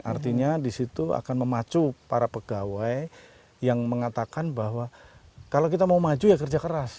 artinya di situ akan memacu para pegawai yang mengatakan bahwa kalau kita mau maju ya kerja keras